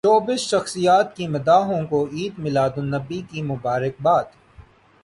showbiz شخصیات کی مداحوں کو عید میلاد النبی کی مبارکباد